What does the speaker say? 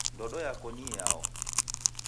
Ndodo yako ni iyao?